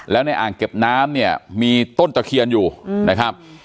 แล้วในอ่างเก็บน้ำเนี่ยมีต้นตะเคียนอยู่นะครับ